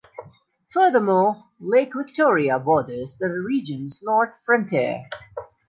Furthermore, Lake Victoria borders the region's north frontier.